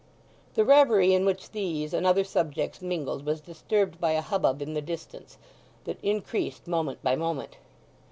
The reverie in which these and other subjects mingled was disturbed by a hubbub in the distance, that increased moment by moment.